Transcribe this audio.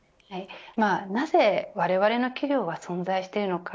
なぜわれわれの企業は存在しているのか。